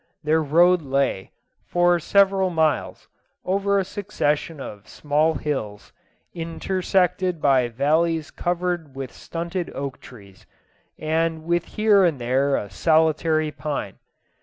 Their road lay, for several miles, over a succession of small hills, intersected by valleys covered with stunted oak trees, and with here and there a solitary pine.